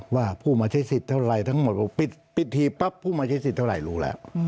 ว่าผู้มาใช้สิทธิ์เท่าไรทั้งหมดบอกปิดทีปั๊บผู้มาใช้สิทธิ์เท่าไหร่รู้แล้ว